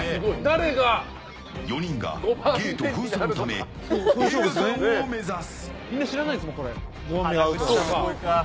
４人がゲート封鎖のため映画館を目指す。